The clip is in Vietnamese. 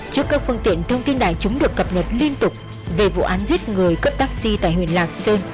trước các phương tiện thông tin đại chúng được cập nhật liên tục về vụ án giết người cấp taxi tại huyện lạc sơn